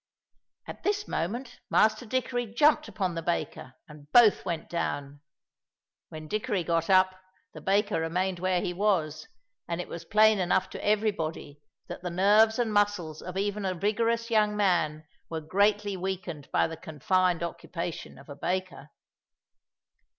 At this moment Master Dickory jumped upon the baker, and both went down. When Dickory got up, the baker remained where he was, and it was plain enough to everybody that the nerves and muscles of even a vigorous young man were greatly weakened by the confined occupation of a baker.